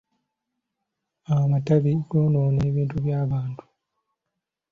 Amatabi goonoona ebintu by'abantu.